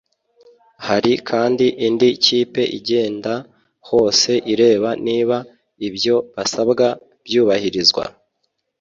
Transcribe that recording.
Hari kandi indi kipe igenda hose ireba niba ibyo basabwa byubahirizwa